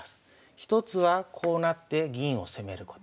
１つはこうなって銀を攻めること。